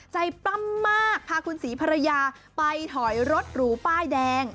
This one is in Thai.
ปล้ำมากพาคุณศรีภรรยาไปถอยรถหรูป้ายแดง